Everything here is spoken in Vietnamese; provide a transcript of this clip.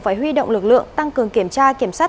phải huy động lực lượng tăng cường kiểm tra kiểm soát